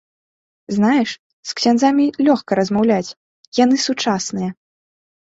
Знаеш, з ксяндзамі лёгка размаўляць, яны сучасныя.